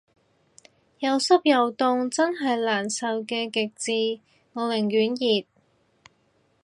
有濕又凍真係難受嘅極致，我寧願熱